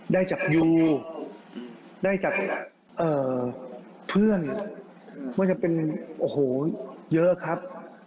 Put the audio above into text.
ได้จากยูได้จากเพื่อนว่าจะเป็นโอ้โหเยอะครับ